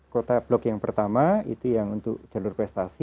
kota blok yang pertama itu yang untuk jalur prestasi